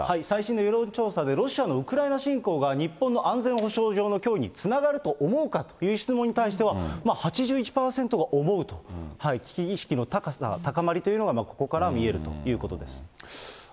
最新の世論調査で、ロシアのウクライナ侵攻が、日本の安全保障上の脅威につながると思うかという質問に対しては、８１％が思うと、危機意識の高さ、高まりというのはここから見えるということです。